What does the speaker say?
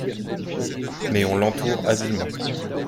Mais on l'entoure habilement.